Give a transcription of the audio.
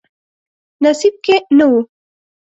نصیب کې نه و.